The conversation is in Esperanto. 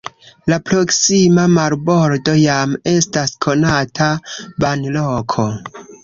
La proksima marbordo jam estas konata banloko.